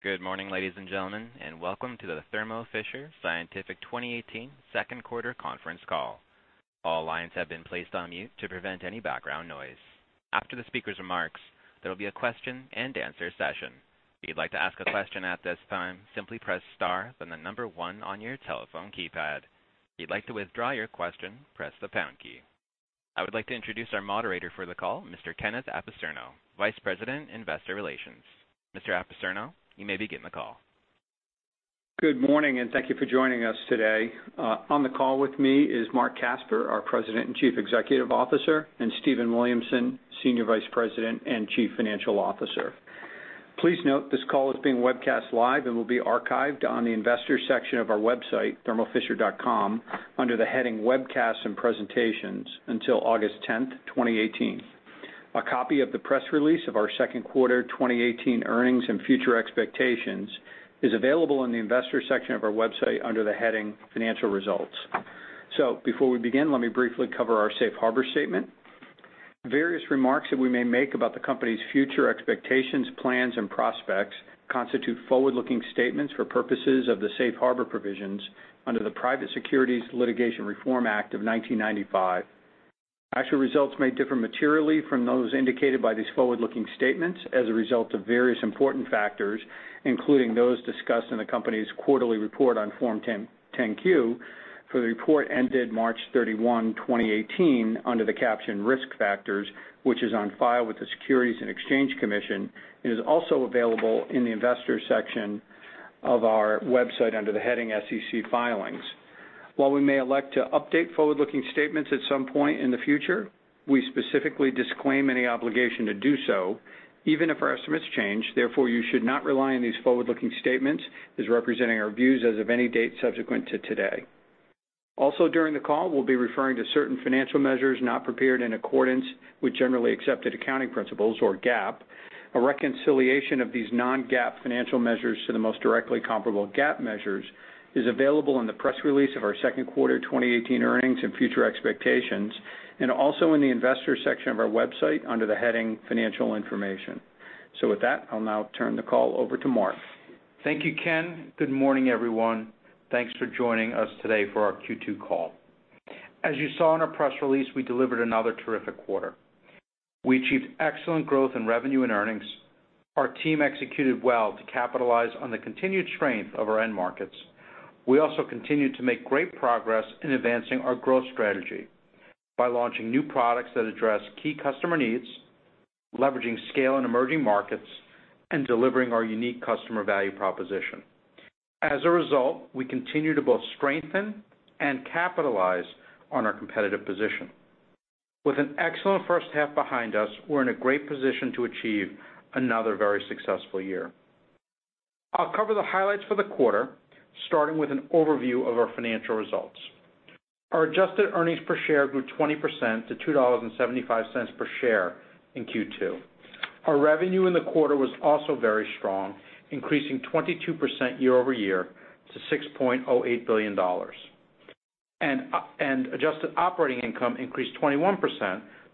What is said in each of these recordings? Good morning, ladies and gentlemen. Welcome to the Thermo Fisher Scientific 2018 second quarter conference call. All lines have been placed on mute to prevent any background noise. After the speaker's remarks, there will be a question and answer session. If you'd like to ask a question at this time, simply press star, then the number 1 on your telephone keypad. If you'd like to withdraw your question, press the pound key. I would like to introduce our moderator for the call, Mr. Ken Apicerno, Vice President, Investor Relations. Mr. Apicerno, you may begin the call. Good morning. Thank you for joining us today. On the call with me is Marc Casper, our President and Chief Executive Officer, and Stephen Williamson, Senior Vice President and Chief Financial Officer. Please note this call is being webcast live and will be archived on the investors section of our website, thermofisher.com, under the heading Webcasts and Presentations until August 10th, 2018. A copy of the press release of our second quarter 2018 earnings and future expectations is available in the investors section of our website under the heading Financial Results. Before we begin, let me briefly cover our safe harbor statement. Various remarks that we may make about the company's future expectations, plans, and prospects constitute forward-looking statements for purposes of the safe harbor provisions under the Private Securities Litigation Reform Act of 1995. Actual results may differ materially from those indicated by these forward-looking statements as a result of various important factors, including those discussed in the company's quarterly report on Form 10-Q for the quarter ended March 31, 2018, under the caption Risk Factors, which is on file with the Securities and Exchange Commission and is also available in the Investors section of our website under the heading SEC Filings. While we may elect to update forward-looking statements at some point in the future, we specifically disclaim any obligation to do so, even if our estimates change. Therefore, you should not rely on these forward-looking statements as representing our views as of any date subsequent to today. Also during the call, we'll be referring to certain financial measures not prepared in accordance with generally accepted accounting principles, or GAAP. A reconciliation of these non-GAAP financial measures to the most directly comparable GAAP measures is available in the press release of our second quarter 2018 earnings and future expectations, and also in the Investors section of our website under the heading Financial Information. With that, I'll now turn the call over to Marc. Thank you, Ken. Good morning, everyone. Thanks for joining us today for our Q2 call. As you saw in our press release, we delivered another terrific quarter. We achieved excellent growth in revenue and earnings. Our team executed well to capitalize on the continued strength of our end markets. We also continued to make great progress in advancing our growth strategy by launching new products that address key customer needs, leveraging scale in emerging markets, and delivering our unique customer value proposition. As a result, we continue to both strengthen and capitalize on our competitive position. With an excellent first half behind us, we're in a great position to achieve another very successful year. I'll cover the highlights for the quarter, starting with an overview of our financial results. Our adjusted earnings per share grew 20% to $2.75 per share in Q2. Our revenue in the quarter was also very strong, increasing 22% year-over-year to $6.08 billion. Adjusted operating income increased 21%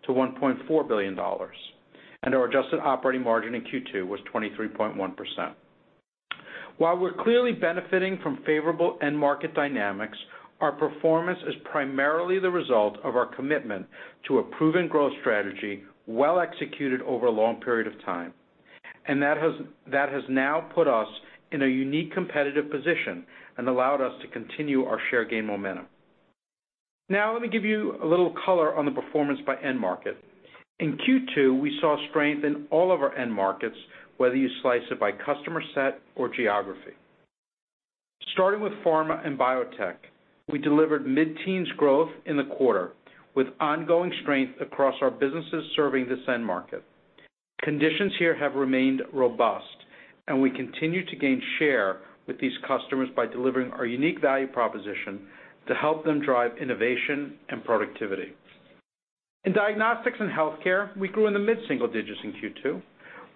to $1.4 billion. Our adjusted operating margin in Q2 was 23.1%. While we're clearly benefiting from favorable end market dynamics, our performance is primarily the result of our commitment to a proven growth strategy well executed over a long period of time. That has now put us in a unique competitive position and allowed us to continue our share gain momentum. Let me give you a little color on the performance by end market. In Q2, we saw strength in all of our end markets, whether you slice it by customer set or geography. Starting with pharma and biotech, we delivered mid-teens growth in the quarter, with ongoing strength across our businesses serving this end market. Conditions here have remained robust, and we continue to gain share with these customers by delivering our unique value proposition to help them drive innovation and productivity. In diagnostics and healthcare, we grew in the mid-single digits in Q2,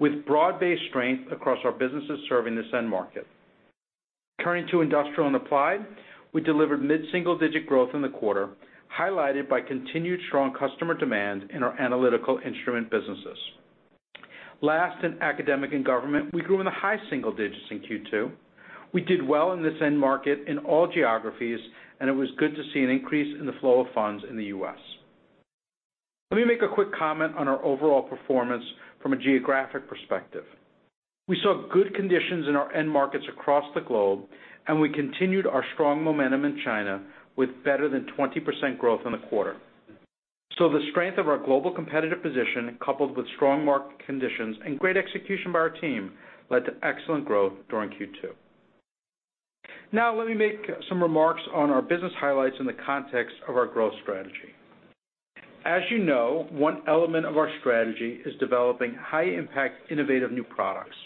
with broad-based strength across our businesses serving this end market. Turning to industrial and applied, we delivered mid-single-digit growth in the quarter, highlighted by continued strong customer demand in our Analytical Instruments businesses. Last, in academic and government, we grew in the high single digits in Q2. We did well in this end market in all geographies, and it was good to see an increase in the flow of funds in the U.S. Let me make a quick comment on our overall performance from a geographic perspective. We saw good conditions in our end markets across the globe, we continued our strong momentum in China with better than 20% growth in the quarter. The strength of our global competitive position, coupled with strong market conditions and great execution by our team, led to excellent growth during Q2. Let me make some remarks on our business highlights in the context of our growth strategy. As you know, one element of our strategy is developing high-impact, innovative new products.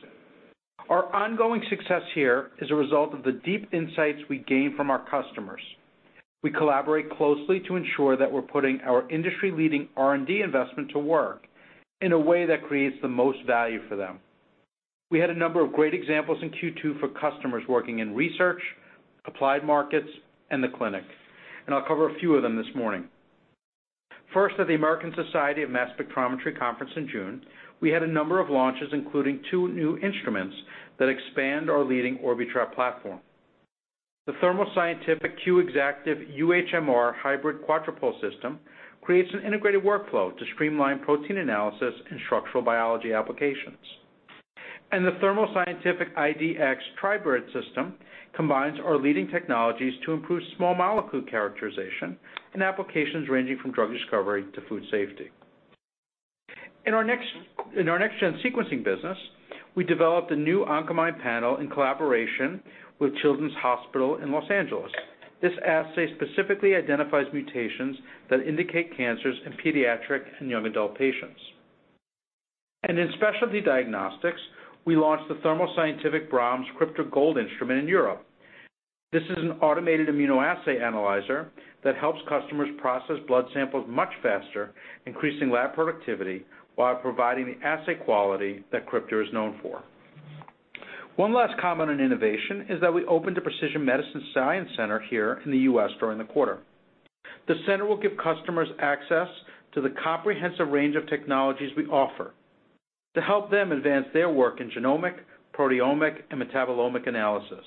Our ongoing success here is a result of the deep insights we gain from our customers. We collaborate closely to ensure that we're putting our industry-leading R&D investment to work in a way that creates the most value for them. We had a number of great examples in Q2 for customers working in research, applied markets, and the clinic. I'll cover a few of them this morning. First, at the American Society for Mass Spectrometry conference in June, we had a number of launches, including two new instruments that expand our leading Orbitrap platform. The Thermo Scientific Q Exactive UHMR hybrid quadrupole system creates an integrated workflow to streamline protein analysis in structural biology applications. The Thermo Scientific ID-X Tribrid system combines our leading technologies to improve small molecule characterization in applications ranging from drug discovery to food safety. In our next-gen sequencing business, we developed a new Oncomine panel in collaboration with Children's Hospital Los Angeles. This assay specifically identifies mutations that indicate cancers in pediatric and young adult patients. In Specialty Diagnostics, we launched the Thermo Scientific B·R·A·H·M·S KRYPTOR GOLD instrument in Europe. This is an automated immunoassay analyzer that helps customers process blood samples much faster, increasing lab productivity while providing the assay quality that KRYPTOR is known for. One last comment on innovation is that we opened a precision medicine science center here in the U.S. during the quarter. The center will give customers access to the comprehensive range of technologies we offer to help them advance their work in genomic, proteomic, and metabolomic analysis.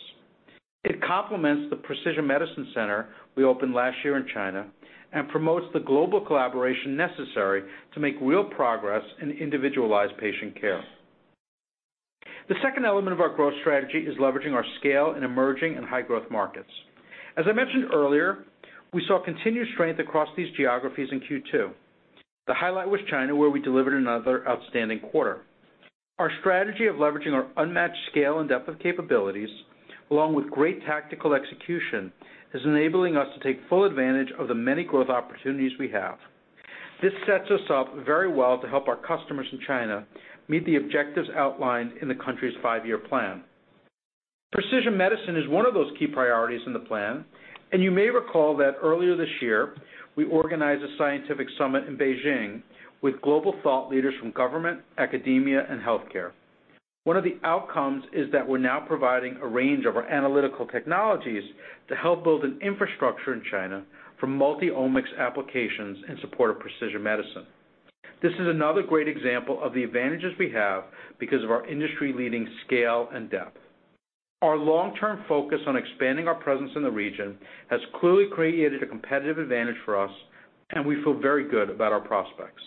It complements the precision medicine center we opened last year in China and promotes the global collaboration necessary to make real progress in individualized patient care. The second element of our growth strategy is leveraging our scale in emerging and high-growth markets. As I mentioned earlier, we saw continued strength across these geographies in Q2. The highlight was China, where we delivered another outstanding quarter. Our strategy of leveraging our unmatched scale and depth of capabilities, along with great tactical execution, is enabling us to take full advantage of the many growth opportunities we have. This sets us up very well to help our customers in China meet the objectives outlined in the country's five-year plan. Precision medicine is one of those key priorities in the plan. You may recall that earlier this year, we organized a scientific summit in Beijing with global thought leaders from government, academia, and healthcare. One of the outcomes is that we're now providing a range of our analytical technologies to help build an infrastructure in China for multi-omics applications in support of precision medicine. This is another great example of the advantages we have because of our industry-leading scale and depth. Our long-term focus on expanding our presence in the region has clearly created a competitive advantage for us. We feel very good about our prospects.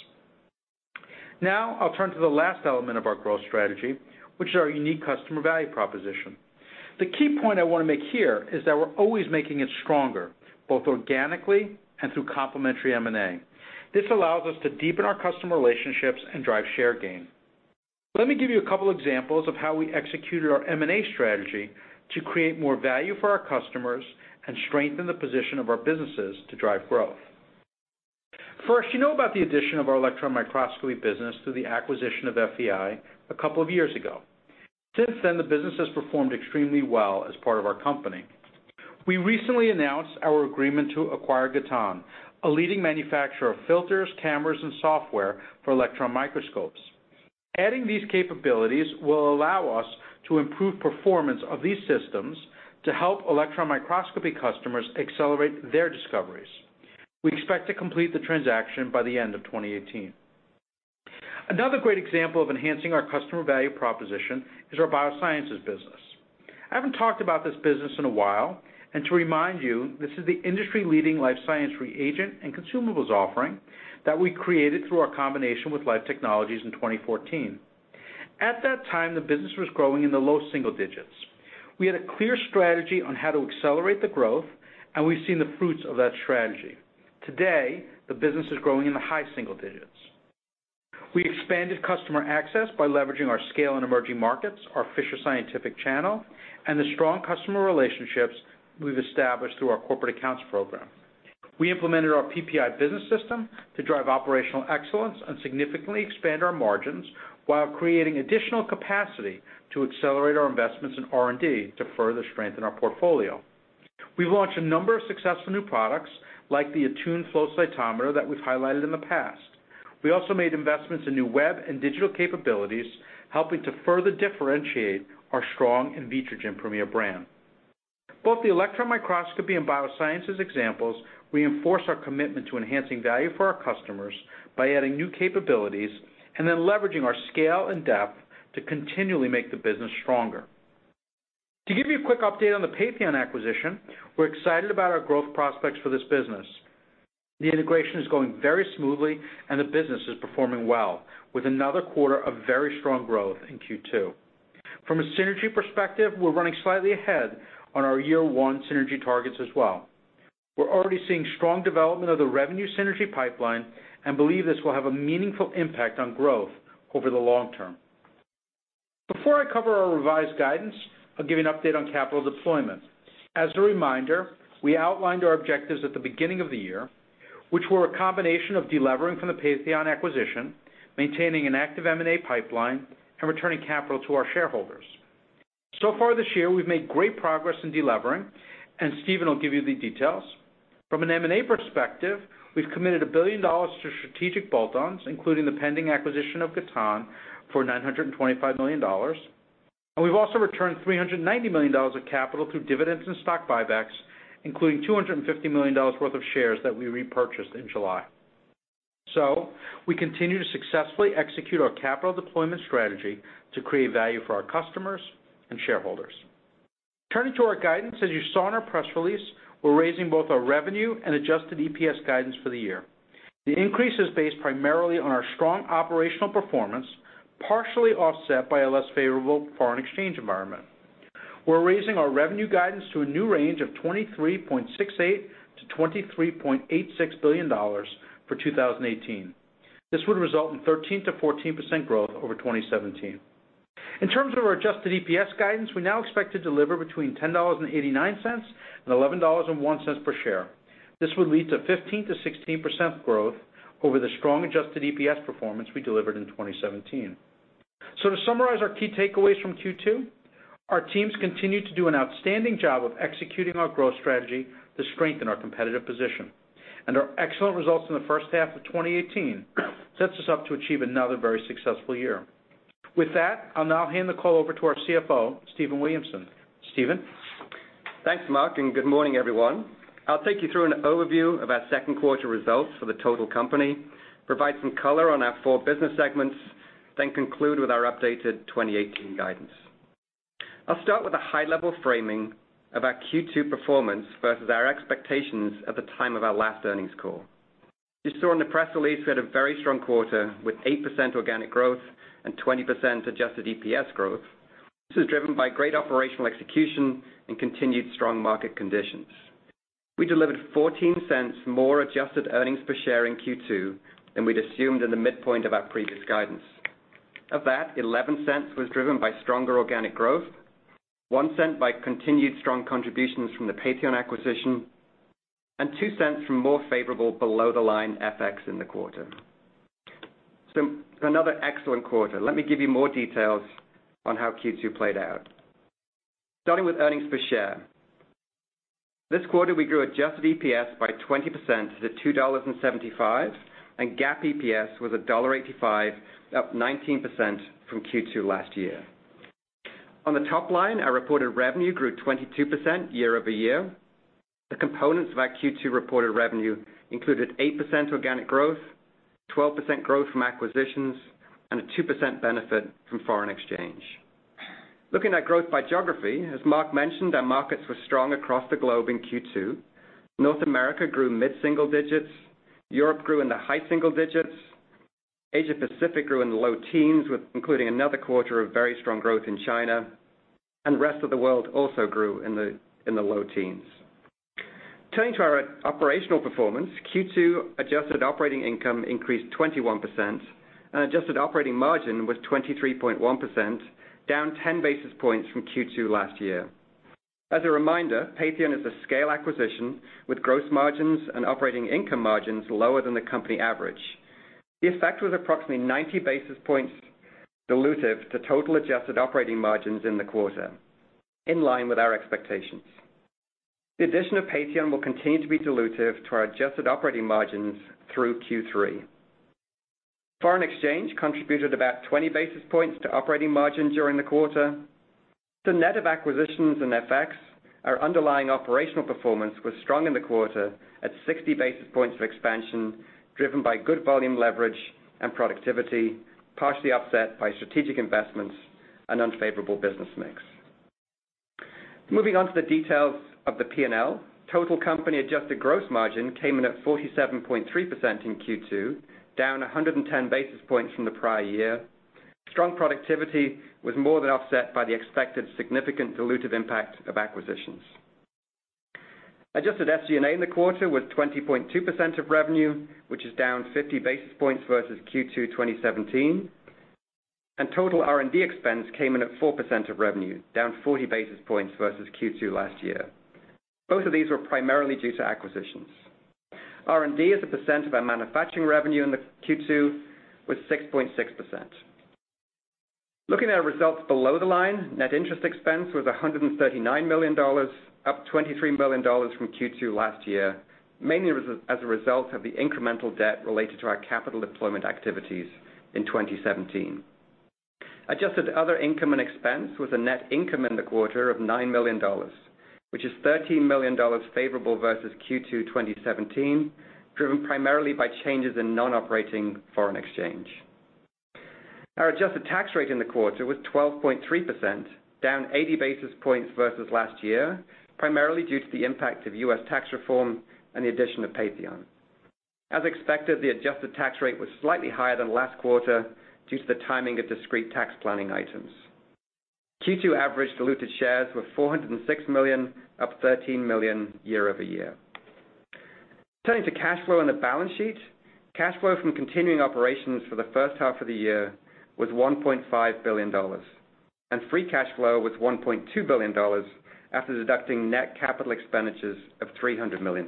Now, I'll turn to the last element of our growth strategy, which is our unique customer value proposition. The key point I want to make here is that we're always making it stronger, both organically and through complementary M&A. This allows us to deepen our customer relationships and drive share gain. Let me give you a couple examples of how we executed our M&A strategy to create more value for our customers and strengthen the position of our businesses to drive growth. First, you know about the addition of our electron microscopy business through the acquisition of FEI a couple of years ago. Since then, the business has performed extremely well as part of our company. We recently announced our agreement to acquire Gatan, a leading manufacturer of filters, cameras, and software for electron microscopes. Adding these capabilities will allow us to improve performance of these systems to help electron microscopy customers accelerate their discoveries. We expect to complete the transaction by the end of 2018. Another great example of enhancing our customer value proposition is our biosciences business. I haven't talked about this business in a while, and to remind you, this is the industry-leading life science reagent and consumables offering that we created through our combination with Life Technologies in 2014. At that time, the business was growing in the low single digits. We had a clear strategy on how to accelerate the growth, and we've seen the fruits of that strategy. Today, the business is growing in the high single digits. We expanded customer access by leveraging our scale in emerging markets, our Fisher Scientific channel, and the strong customer relationships we've established through our corporate accounts program. We implemented our PPI business system to drive operational excellence and significantly expand our margins while creating additional capacity to accelerate our investments in R&D to further strengthen our portfolio. We've launched a number of successful new products, like the Attune Flow Cytometer that we've highlighted in the past. We also made investments in new web and digital capabilities, helping to further differentiate our strong Invitrogen Premier brand. Both the electron microscopy and biosciences examples reinforce our commitment to enhancing value for our customers by adding new capabilities and then leveraging our scale and depth to continually make the business stronger. To give you a quick update on the Patheon acquisition, we're excited about our growth prospects for this business. The integration is going very smoothly and the business is performing well, with another quarter of very strong growth in Q2. From a synergy perspective, we're running slightly ahead on our year one synergy targets as well. We're already seeing strong development of the revenue synergy pipeline and believe this will have a meaningful impact on growth over the long term. Before I cover our revised guidance, I'll give you an update on capital deployment. As a reminder, we outlined our objectives at the beginning of the year, which were a combination of delevering from the Patheon acquisition, maintaining an active M&A pipeline, and returning capital to our shareholders. This year, we've made great progress in delevering, and Stephen will give you the details. From an M&A perspective, we've committed $1 billion to strategic bolt-ons, including the pending acquisition of Gatan for $925 million. We've also returned $390 million of capital through dividends and stock buybacks, including $250 million worth of shares that we repurchased in July. We continue to successfully execute our capital deployment strategy to create value for our customers and shareholders. Turning to our guidance, as you saw in our press release, we're raising both our revenue and adjusted EPS guidance for the year. The increase is based primarily on our strong operational performance, partially offset by a less favorable foreign exchange environment. We're raising our revenue guidance to a new range of $23.68 billion-$23.86 billion for 2018. This would result in 13%-14% growth over 2017. In terms of our adjusted EPS guidance, we now expect to deliver between $10.89 and $11.01 per share. This would lead to 15%-16% growth over the strong adjusted EPS performance we delivered in 2017. To summarize our key takeaways from Q2, our teams continue to do an outstanding job of executing our growth strategy to strengthen our competitive position. Our excellent results in the first half of 2018 sets us up to achieve another very successful year. With that, I'll now hand the call over to our CFO, Stephen Williamson. Stephen? Thanks, Marc, and good morning, everyone. I'll take you through an overview of our second quarter results for the total company, provide some color on our four business segments, then conclude with our updated 2018 guidance. I'll start with a high-level framing of our Q2 performance versus our expectations at the time of our last earnings call. You saw in the press release we had a very strong quarter, with 8% organic growth and 20% adjusted EPS growth. This was driven by great operational execution and continued strong market conditions. We delivered $0.14 more adjusted earnings per share in Q2 than we'd assumed in the midpoint of our previous guidance. Of that, $0.11 was driven by stronger organic growth, $0.01 by continued strong contributions from the Patheon acquisition, and $0.02 from more favorable below-the-line FX in the quarter. Another excellent quarter. Let me give you more details on how Q2 played out. Starting with earnings per share. This quarter, we grew adjusted EPS by 20% to $2.75, and GAAP EPS was $1.85, up 19% from Q2 last year. On the top line, our reported revenue grew 22% year-over-year. The components of our Q2 reported revenue included 8% organic growth, 12% growth from acquisitions, and a 2% benefit from foreign exchange. Looking at growth by geography, as Marc mentioned, our markets were strong across the globe in Q2. North America grew mid-single digits, Europe grew in the high single digits, Asia Pacific grew in the low teens, including another quarter of very strong growth in China, and the rest of the world also grew in the low teens. Turning to our operational performance, Q2 adjusted operating income increased 21%, and adjusted operating margin was 23.1%, down 10 basis points from Q2 last year. As a reminder, Patheon is a scale acquisition, with gross margins and operating income margins lower than the company average. The effect was approximately 90 basis points dilutive to total adjusted operating margins in the quarter, in line with our expectations. The addition of Patheon will continue to be dilutive to our adjusted operating margins through Q3. Foreign exchange contributed about 20 basis points to operating margin during the quarter. The net of acquisitions and FX, our underlying operational performance was strong in the quarter at 60 basis points of expansion, driven by good volume leverage and productivity, partially offset by strategic investments and unfavorable business mix. Moving on to the details of the P&L. Total company adjusted gross margin came in at 47.3% in Q2, down 110 basis points from the prior year. Strong productivity was more than offset by the expected significant dilutive impact of acquisitions. Adjusted SG&A in the quarter was 20.2% of revenue, which is down 50 basis points versus Q2 2017. Total R&D expense came in at 4% of revenue, down 40 basis points versus Q2 last year. Both of these were primarily due to acquisitions. R&D as a percent of our manufacturing revenue in Q2 was 6.6%. Looking at our results below the line, net interest expense was $139 million, up $23 million from Q2 last year, mainly as a result of the incremental debt related to our capital deployment activities in 2017. Adjusted other income and expense was a net income in the quarter of $9 million, which is $13 million favorable versus Q2 2017, driven primarily by changes in non-operating foreign exchange. Our adjusted tax rate in the quarter was 12.3%, down 80 basis points versus last year, primarily due to the impact of U.S. tax reform and the addition of Patheon. As expected, the adjusted tax rate was slightly higher than last quarter due to the timing of discrete tax planning items. Q2 average diluted shares were 406 million, up 13 million year over year. Turning to cash flow and the balance sheet, cash flow from continuing operations for the first half of the year was $1.5 billion, and free cash flow was $1.2 billion after deducting net capital expenditures of $300 million.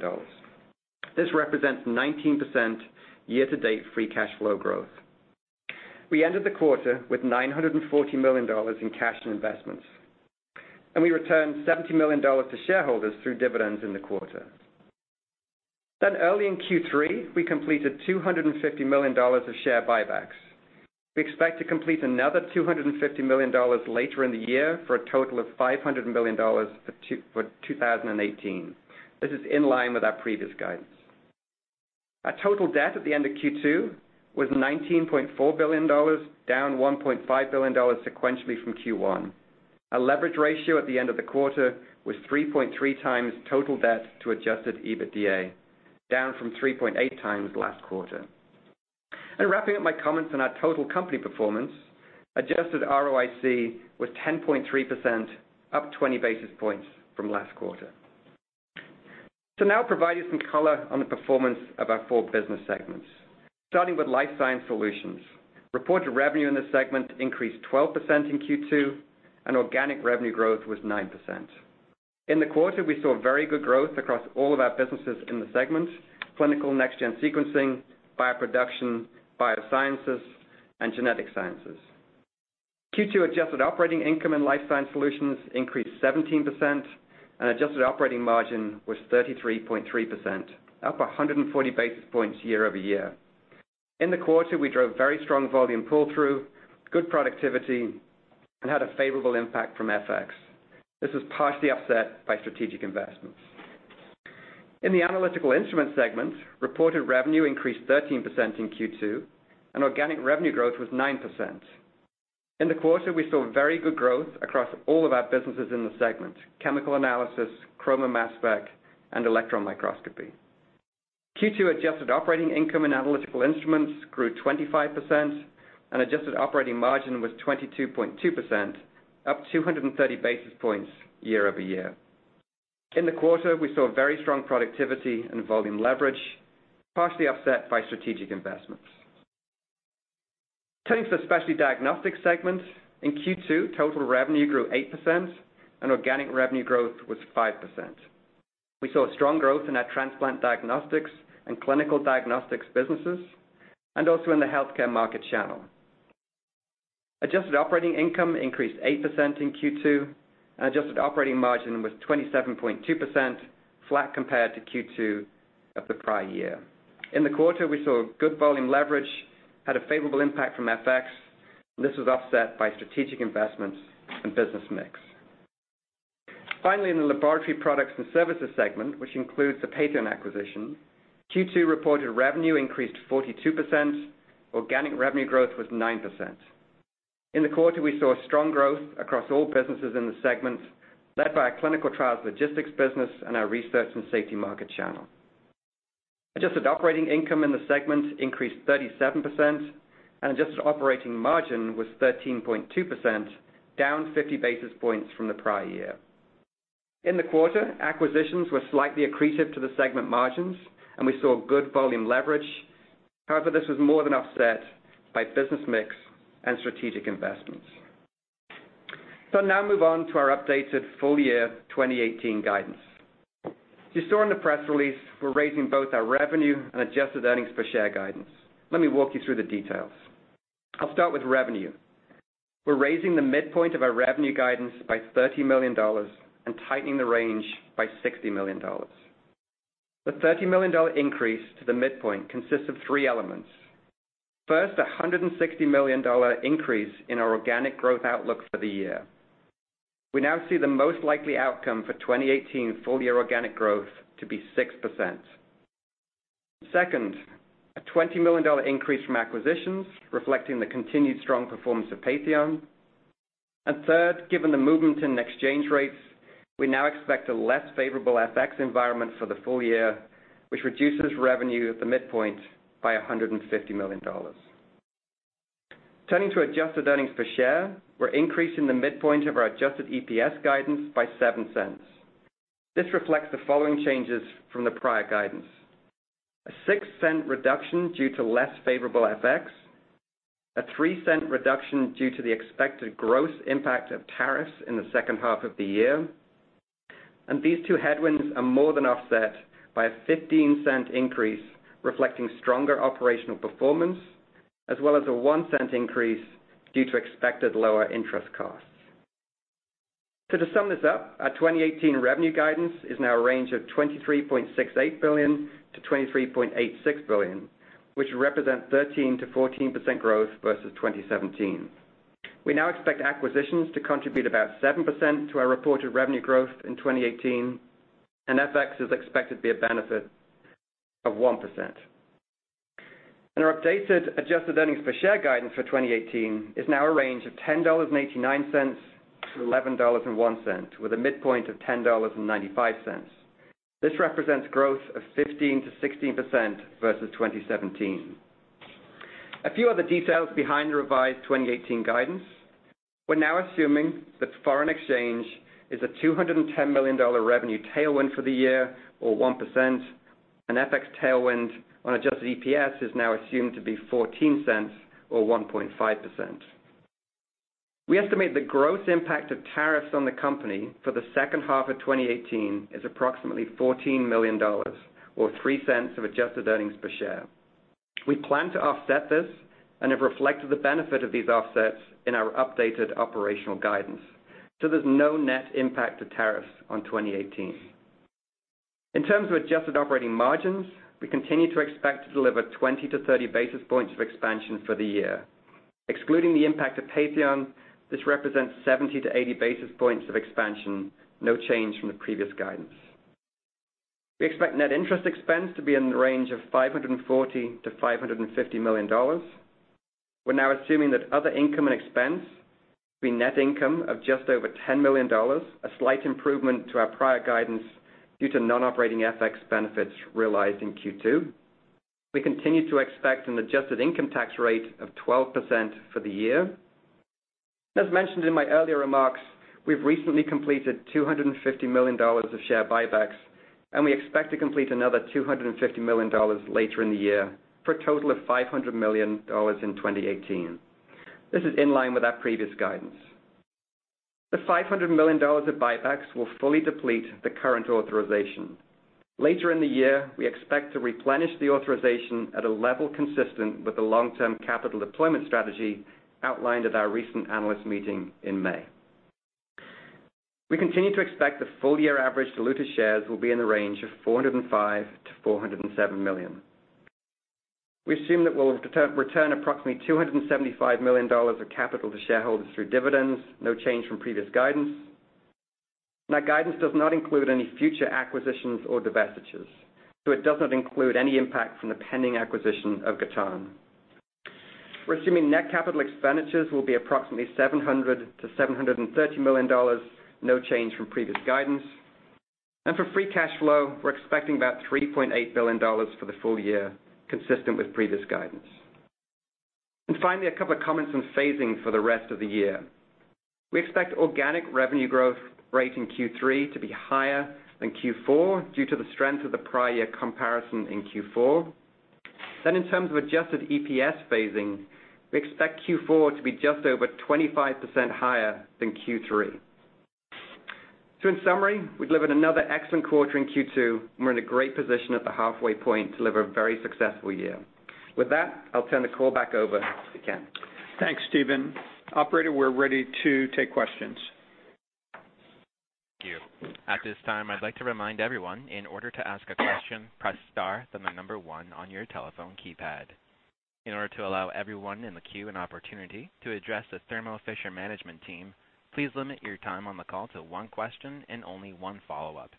This represents 19% year-to-date free cash flow growth. We ended the quarter with $940 million in cash and investments, we returned $70 million to shareholders through dividends in the quarter. Early in Q3, we completed $250 million of share buybacks. We expect to complete another $250 million later in the year for a total of $500 million for 2018. This is in line with our previous guidance. Our total debt at the end of Q2 was $19.4 billion, down $1.5 billion sequentially from Q1. Our leverage ratio at the end of the quarter was 3.3 times total debt to adjusted EBITDA, down from 3.8 times last quarter. Wrapping up my comments on our total company performance, adjusted ROIC was 10.3%, up 20 basis points from last quarter. To now provide you some color on the performance of our four business segments. Starting with Life Science Solutions. Reported revenue in the segment increased 12% in Q2, organic revenue growth was 9%. In the quarter, we saw very good growth across all of our businesses in the segment, clinical next-gen sequencing, bioproduction, biosciences, genetic sciences. Q2 adjusted operating income in Life Science Solutions increased 17%, adjusted operating margin was 33.3%, up 140 basis points year-over-year. In the quarter, we drove very strong volume pull-through, good productivity, had a favorable impact from FX. This was partially offset by strategic investments. In the Analytical Instruments segment, reported revenue increased 13% in Q2, organic revenue growth was 9%. In the quarter, we saw very good growth across all of our businesses in the segment, chemical analysis, chroma/mass spec, electron microscopy. Q2 adjusted operating income in Analytical Instruments grew 25%, adjusted operating margin was 22.2%, up 230 basis points year-over-year. In the quarter, we saw very strong productivity and volume leverage, partially offset by strategic investments. Turning to the Specialty Diagnostics segment. In Q2, total revenue grew 8%, and organic revenue growth was 5%. We saw strong growth in our transplant diagnostics and clinical diagnostics businesses, and also in the healthcare market channel. Adjusted operating income increased 8% in Q2, and adjusted operating margin was 27.2%, flat compared to Q2 of the prior year. In the quarter, we saw good volume leverage, had a favorable impact from FX. This was offset by strategic investments and business mix. Finally, in the Laboratory Products and Services segment, which includes the Patheon acquisition, Q2 reported revenue increased 42%, organic revenue growth was 9%. In the quarter, we saw strong growth across all businesses in the segment, led by our clinical trials logistics business and our research and safety market channel. Adjusted operating income in the segment increased 37%, and adjusted operating margin was 13.2%, down 50 basis points from the prior year. In the quarter, acquisitions were slightly accretive to the segment margins, and we saw good volume leverage. However, this was more than offset by business mix and strategic investments. I'll now move on to our updated full year 2018 guidance. As you saw in the press release, we're raising both our revenue and adjusted earnings per share guidance. Let me walk you through the details. I'll start with revenue. We're raising the midpoint of our revenue guidance by $30 million and tightening the range by $60 million. The $30 million increase to the midpoint consists of three elements. First, $160 million increase in our organic growth outlook for the year. We now see the most likely outcome for 2018 full year organic growth to be 6%. Second, a $20 million increase from acquisitions reflecting the continued strong performance of Patheon. Third, given the movement in exchange rates, we now expect a less favorable FX environment for the full year, which reduces revenue at the midpoint by $150 million. Turning to adjusted earnings per share, we're increasing the midpoint of our adjusted EPS guidance by $0.07. This reflects the following changes from the prior guidance. A $0.06 reduction due to less favorable FX, a $0.03 reduction due to the expected gross impact of tariffs in the second half of the year. These two headwinds are more than offset by a $0.15 increase reflecting stronger operational performance, as well as a $0.01 increase due to expected lower interest costs. To sum this up, our 2018 revenue guidance is now a range of $23.68 billion-$23.86 billion, which represent 13%-14% growth versus 2017. We now expect acquisitions to contribute about 7% to our reported revenue growth in 2018, and FX is expected to be a benefit of 1%. Our updated adjusted earnings per share guidance for 2018 is now a range of $10.89-$11.01, with a midpoint of $10.95. This represents growth of 15%-16% versus 2017. A few other details behind the revised 2018 guidance. We're now assuming that foreign exchange is a $210 million revenue tailwind for the year, or 1%, and FX tailwind on adjusted EPS is now assumed to be $0.14 or 1.5%. We estimate the gross impact of tariffs on the company for the second half of 2018 is approximately $14 million, or $0.03 of adjusted earnings per share. We plan to offset this and have reflected the benefit of these offsets in our updated operational guidance, so there's no net impact to tariffs on 2018. In terms of adjusted operating margins, we continue to expect to deliver 20-30 basis points of expansion for the year. Excluding the impact of Patheon, this represents 70-80 basis points of expansion, no change from the previous guidance. We expect net interest expense to be in the range of $540 million-$550 million. We're now assuming that other income and expense will be net income of just over $10 million, a slight improvement to our prior guidance due to non-operating FX benefits realized in Q2. We continue to expect an adjusted income tax rate of 12% for the year. As mentioned in my earlier remarks, we've recently completed $250 million of share buybacks, and we expect to complete another $250 million later in the year, for a total of $500 million in 2018. This is in line with our previous guidance. The $500 million of buybacks will fully deplete the current authorization. Later in the year, we expect to replenish the authorization at a level consistent with the long-term capital deployment strategy outlined at our recent analyst meeting in May. We continue to expect the full-year average diluted shares will be in the range of 405 million-407 million. We assume that we'll return approximately $275 million of capital to shareholders through dividends, no change from previous guidance. That guidance does not include any future acquisitions or divestitures, so it does not include any impact from the pending acquisition of Gatan. We're assuming net capital expenditures will be approximately $700 million-$730 million, no change from previous guidance. For free cash flow, we're expecting about $3.8 billion for the full year, consistent with previous guidance. Finally, a couple of comments on phasing for the rest of the year. We expect organic revenue growth rate in Q3 to be higher than Q4 due to the strength of the prior year comparison in Q4. In terms of adjusted EPS phasing, we expect Q4 to be just over 25% higher than Q3. In summary, we delivered another excellent quarter in Q2, and we're in a great position at the halfway point to deliver a very successful year. With that, I'll turn the call back over to Ken. Thanks, Stephen. Operator, we're ready to take questions. Thank you. At this time, I'd like to remind everyone, in order to ask a question, press star, then the number one on your telephone keypad. In order to allow everyone in the queue an opportunity to address the Thermo Fisher management team, please limit your time on the call to one question and only one follow-up.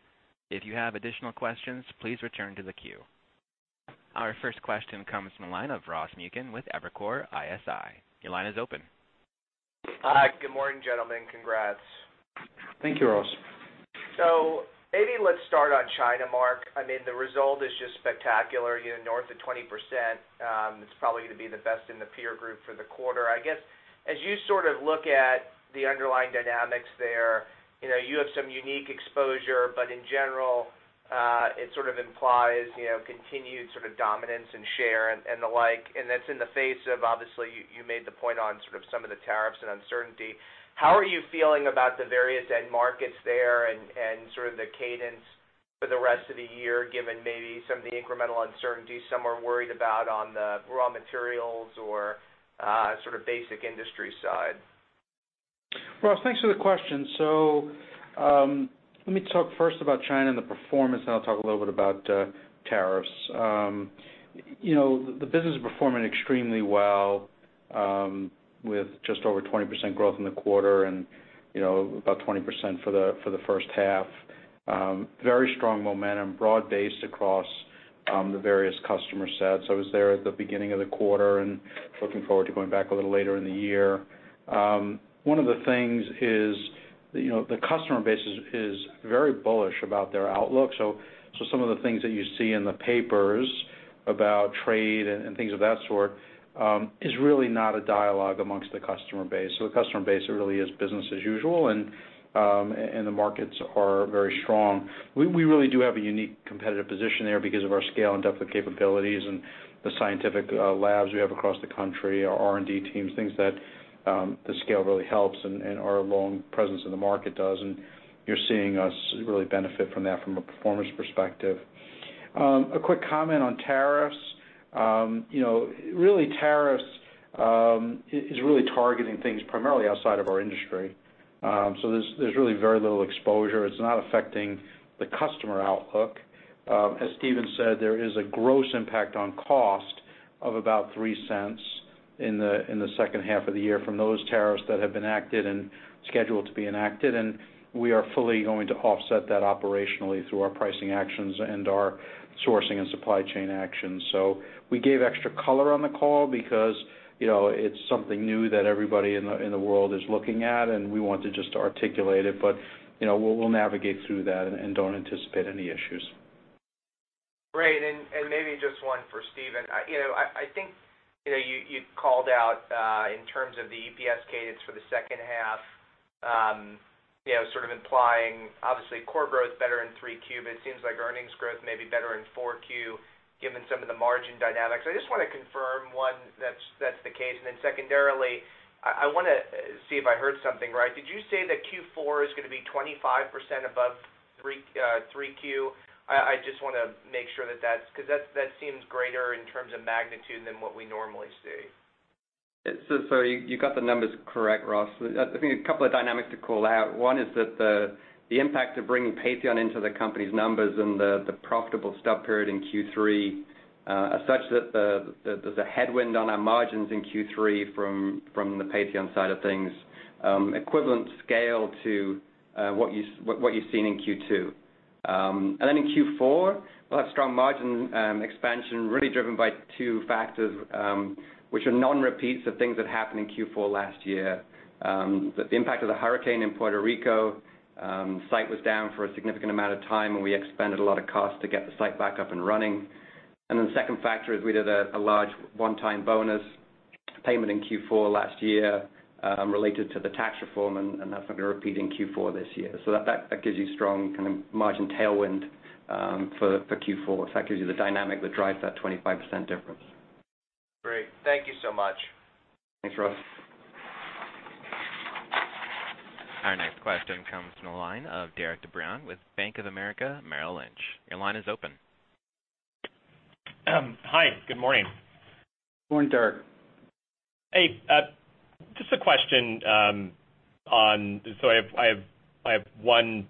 If you have additional questions, please return to the queue. Our first question comes from the line of Ross Muken with Evercore ISI. Your line is open. Hi, good morning, gentlemen. Congrats. Thank you, Ross. Maybe let's start on China, Marc. I mean, the result is just spectacular, north of 20%. It's probably going to be the best in the peer group for the quarter. I guess, as you look at the underlying dynamics there, you have some unique exposure, but in general, it sort of implies continued dominance and share and the like, and that's in the face of, obviously, you made the point on some of the tariffs and uncertainty. How are you feeling about the various end markets there and sort of the cadence for the rest of the year, given maybe some of the incremental uncertainty some are worried about on the raw materials or basic industry side? Ross, thanks for the question. Let me talk first about China and the performance, then I'll talk a little bit about tariffs. The business is performing extremely well, with just over 20% growth in the quarter and about 20% for the first half. Very strong momentum, broad-based across the various customer sets. I was there at the beginning of the quarter and looking forward to going back a little later in the year. One of the things is the customer base is very bullish about their outlook. Some of the things that you see in the papers about trade and things of that sort is really not a dialogue amongst the customer base. The customer base really is business as usual, and the markets are very strong. We really do have a unique competitive position there because of our scale and depth of capabilities and the scientific labs we have across the country, our R&D teams, things that the scale really helps, and our long presence in the market does, and you're seeing us really benefit from that from a performance perspective. A quick comment on tariffs. Really, tariffs is really targeting things primarily outside of our industry. There's really very little exposure. It's not affecting the customer outlook. As Stephen said, there is a gross impact on cost of about $0.03 in the second half of the year from those tariffs that have been acted and scheduled to be enacted, and we are fully going to offset that operationally through our pricing actions and our sourcing and supply chain actions. We gave extra color on the call because it's something new that everybody in the world is looking at, and we want to just articulate it, but we'll navigate through that and don't anticipate any issues. Great. Maybe just one for Stephen. I think you called out, in terms of the EPS cadence for the second half, sort of implying, obviously, core growth better in 3Q, but it seems like earnings growth may be better in 4Q given some of the margin dynamics. I just want to From one, that's the case. Then secondarily, I want to see if I heard something right. Did you say that Q4 is going to be 25% above 3Q? I just want to make sure, because that seems greater in terms of magnitude than what we normally see. You got the numbers correct, Ross. I think a couple of dynamics to call out. One is that the impact of bringing Patheon into the company's numbers and the profitable stub period in Q3 are such that there's a headwind on our margins in Q3 from the Patheon side of things, equivalent scale to what you've seen in Q2. Then in Q4, we'll have strong margin expansion, really driven by two factors, which are non-repeats of things that happened in Q4 last year. The impact of the hurricane in Puerto Rico, site was down for a significant amount of time, and we expended a lot of cost to get the site back up and running. Then the second factor is we did a large one-time bonus payment in Q4 last year, related to the tax reform, and that's not going to repeat in Q4 this year. That gives you strong margin tailwind for Q4. That gives you the dynamic that drives that 25% difference. Great. Thank you so much. Thanks, Ross. Our next question comes from the line of Derik De Bruin with Bank of America Merrill Lynch. Your line is open. Hi, good morning. Morning, Derik. Hey, just a question. I have one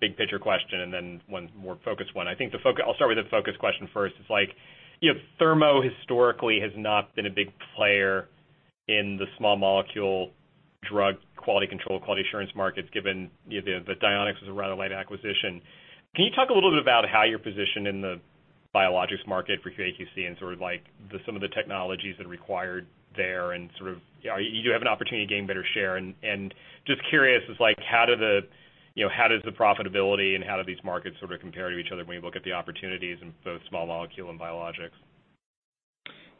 big-picture question and then one more focused one. I'll start with the focused question first. It's like, Thermo historically has not been a big player in the small molecule drug quality control, quality assurance markets, given the Dionex was a rather light acquisition. Can you talk a little bit about how you're positioned in the biologics market for QA/QC and some of the technologies that are required there and do you have an opportunity to gain better share? Just curious as how does the profitability and how do these markets compare to each other when you look at the opportunities in both small molecule and biologics?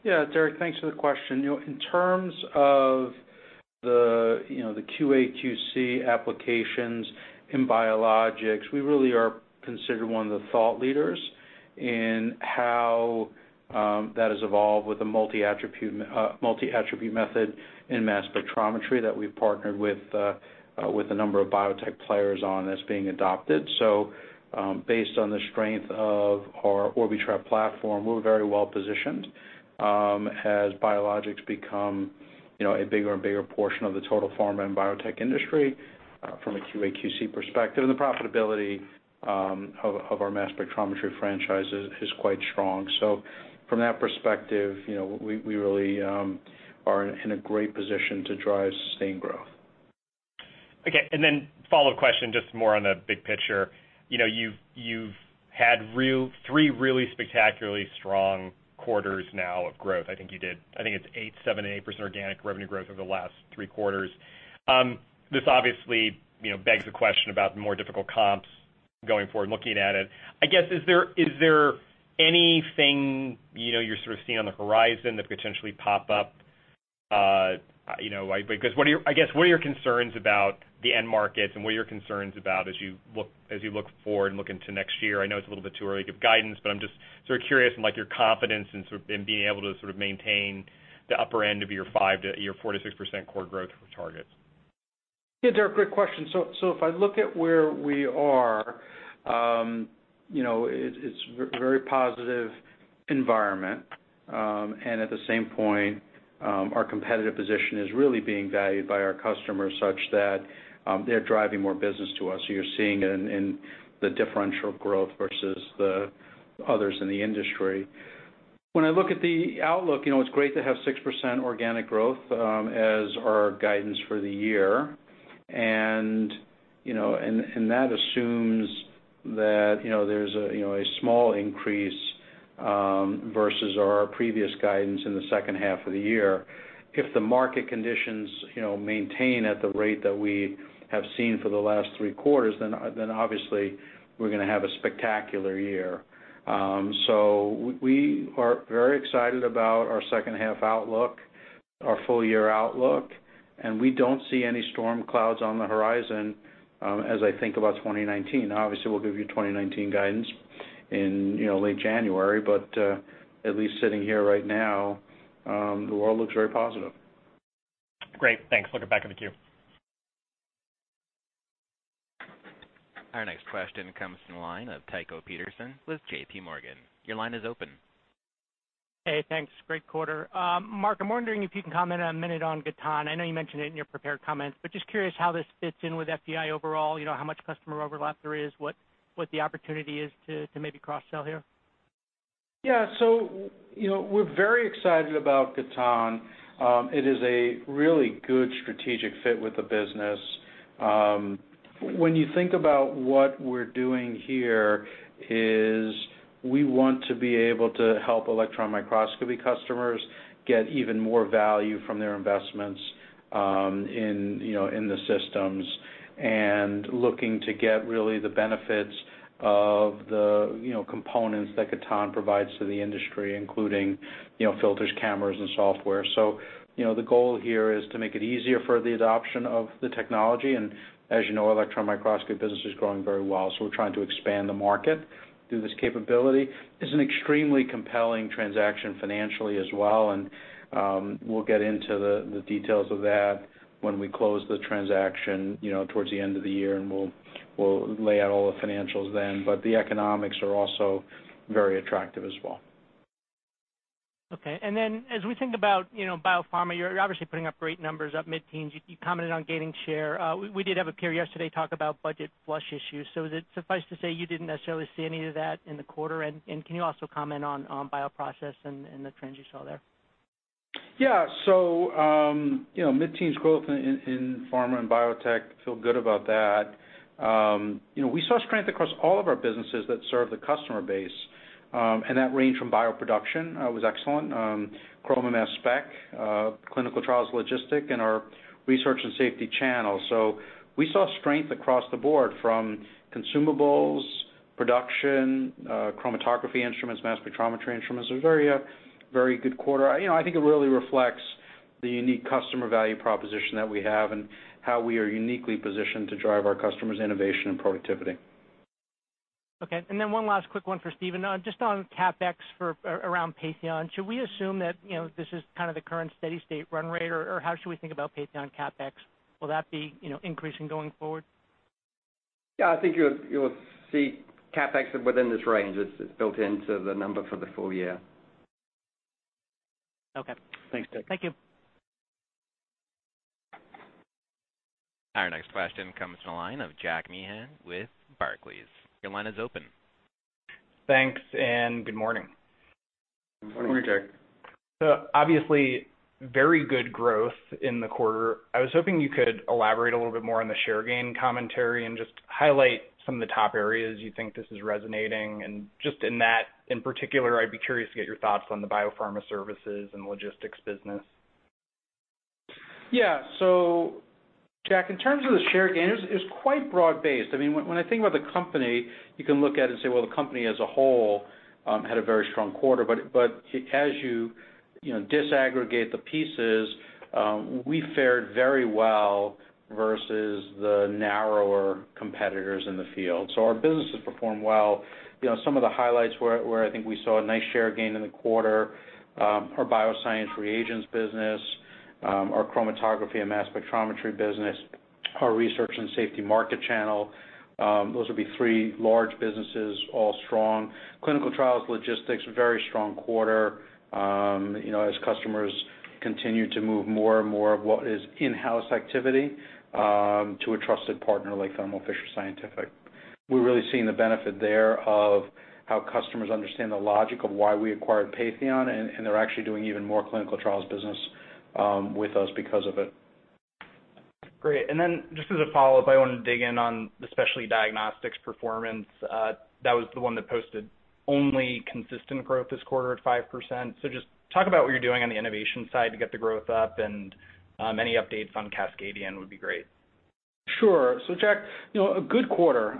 Yeah, Derik, thanks for the question. In terms of the QA/QC applications in biologics, we really are considered one of the thought leaders in how that has evolved with the multi-attribute method in mass spectrometry that we've partnered with a number of biotech players on that's being adopted. Based on the strength of our Orbitrap platform, we're very well-positioned as biologics become a bigger and bigger portion of the total pharma and biotech industry from a QA/QC perspective, the profitability of our mass spectrometry franchise is quite strong. From that perspective, we really are in a great position to drive sustained growth. Okay, then follow-up question, just more on the big picture. You've had three really spectacularly strong quarters now of growth. I think you did, I think it's 8%, 7%, and 8% organic revenue growth over the last three quarters. This obviously begs the question about the more difficult comps going forward, looking at it. I guess, is there anything you're seeing on the horizon that could potentially pop up? I guess, what are your concerns about the end markets, what are your concerns about as you look forward and look into next year? I know it's a little bit too early to give guidance, but I'm just curious in your confidence in being able to maintain the upper end of your 4%-6% core growth targets. Yeah, Derik, great question. If I look at where we are, it's very positive environment. At the same point, our competitive position is really being valued by our customers such that they're driving more business to us. You're seeing it in the differential growth versus the others in the industry. When I look at the outlook, it's great to have 6% organic growth as our guidance for the year, and that assumes that there's a small increase versus our previous guidance in the second half of the year. If the market conditions maintain at the rate that we have seen for the last three quarters, then obviously we're going to have a spectacular year. We are very excited about our second half outlook, our full year outlook, and we don't see any storm clouds on the horizon as I think about 2019. Obviously, we'll give you 2019 guidance in late January. At least sitting here right now, the world looks very positive. Great. Thanks. Looking back in the queue. Our next question comes from the line of Tycho Peterson with J.P. Morgan. Your line is open. Hey, thanks. Great quarter. Marc, I'm wondering if you can comment a minute on Gatan. I know you mentioned it in your prepared comments, but just curious how this fits in with FEI overall, how much customer overlap there is, what the opportunity is to maybe cross-sell here. Yeah. We're very excited about Gatan. It is a really good strategic fit with the business. When you think about what we're doing here is we want to be able to help electron microscopy customers get even more value from their investments in the systems and looking to get really the benefits of the components that Gatan provides to the industry, including filters, cameras, and software. The goal here is to make it easier for the adoption of the technology. As you know, electron microscopy business is growing very well, we're trying to expand the market. Do this capability. It's an extremely compelling transaction financially as well, we'll get into the details of that when we close the transaction towards the end of the year, and we'll lay out all the financials then. The economics are also very attractive as well. Okay. As we think about biopharma, you're obviously putting up great numbers, up mid-teens. You commented on gaining share. We did have a peer yesterday talk about budget flush issues. Is it suffice to say you didn't necessarily see any of that in the quarter? Can you also comment on bioprocess and the trends you saw there? Yeah. Mid-teens growth in pharma and biotech, feel good about that. We saw strength across all of our businesses that serve the customer base, that range from bioproduction, was excellent, chroma mass spec, clinical trials logistic, and our research and safety channel. We saw strength across the board from consumables, production, chromatography instruments, mass spectrometry instruments. A very good quarter. I think it really reflects the unique customer value proposition that we have and how we are uniquely positioned to drive our customers' innovation and productivity. Okay. Then one last quick one for Stephen. Just on CapEx for around Patheon, should we assume that this is kind of the current steady state run rate, or how should we think about Patheon CapEx? Will that be increasing going forward? Yeah, I think you'll see CapEx within this range. It's built into the number for the full year. Okay. Thanks, Tycho. Thank you. Our next question comes from the line of Jack Meehan with Barclays. Your line is open. Thanks, good morning. Morning, Jack. Obviously, very good growth in the quarter. I was hoping you could elaborate a little bit more on the share gain commentary and just highlight some of the top areas you think this is resonating. Just in that, in particular, I'd be curious to get your thoughts on the biopharma services and logistics business. Jack, in terms of the share gain, it was quite broad-based. When I think about the company, you can look at it and say, well, the company as a whole had a very strong quarter. As you disaggregate the pieces, we fared very well versus the narrower competitors in the field. Our businesses performed well. Some of the highlights were, I think we saw a nice share gain in the quarter, our bioscience reagents business, our chromatography and mass spectrometry business, our research and safety market channel. Those would be three large businesses, all strong. Clinical trials logistics, very strong quarter, as customers continue to move more and more of what is in-house activity to a trusted partner like Thermo Fisher Scientific. We're really seeing the benefit there of how customers understand the logic of why we acquired Patheon, and they're actually doing even more clinical trials business with us because of it. Great. Then just as a follow-up, I want to dig in on the Specialty Diagnostics performance. That was the one that posted only consistent growth this quarter at 5%. Just talk about what you're doing on the innovation side to get the growth up, and any updates on Cascadion would be great. Sure. Jack, a good quarter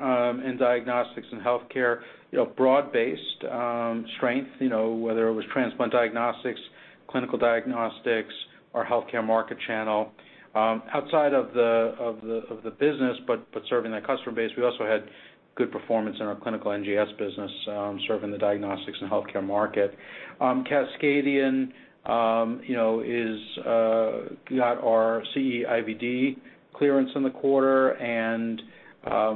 in diagnostics and healthcare. Broad-based strength, whether it was transplant diagnostics, clinical diagnostics, our healthcare market channel. Outside of the business, but serving that customer base, we also had good performance in our clinical NGS business, serving the diagnostics and healthcare market. Cascadion got our CE IVD clearance in the quarter, and